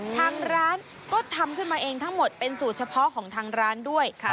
ทางร้านก็ทำขึ้นมาเองทั้งหมดเป็นสูตรเฉพาะของทางร้านด้วย